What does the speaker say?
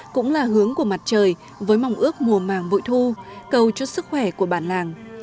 cũng là hướng của mặt trời với mong ước mùa màng vội thu cầu cho sức khỏe của bản làng